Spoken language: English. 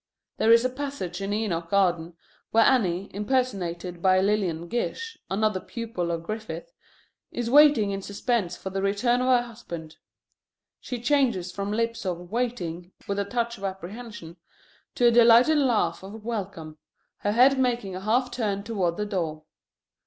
There is a passage in Enoch Arden where Annie, impersonated by Lillian Gish, another pupil of Griffith, is waiting in suspense for the return of her husband. She changes from lips of waiting, with a touch of apprehension, to a delighted laugh of welcome, her head making a half turn toward the door.